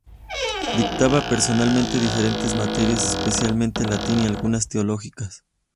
Dictaba personalmente diferentes materias, especialmente latín y algunas teológicas.